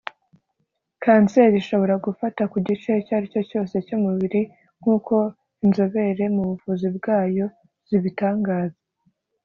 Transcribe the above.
Kanseri ishobora gufata ku gice icyo ari cyo cyose cy’umubiri nk’uko inzobere mu buvuzi bwayo zibitangaza